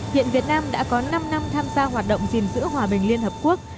hiện việt nam đã có năm năm tham gia hoạt động gìn giữ hòa bình liên hợp quốc